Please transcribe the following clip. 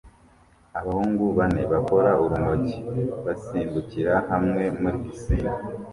Abahungu bane bakora urumogi basimbukira hamwe muri pisine